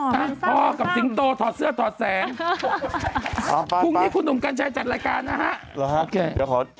ทำไมถอดเสื้อถอดแสง